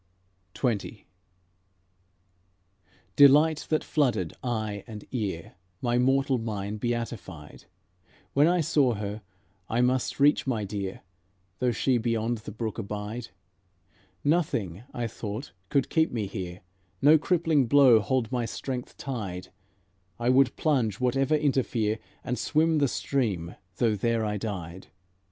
XX Delight that flooded eye and ear My mortal mind beatified; When I saw her, I must reach my dear, Though she beyond the brook abide. Nothing, I thought, could keep me here, No crippling blow hold my strength tied; I would plunge, whatever interfere, And swim the stream, though there I died.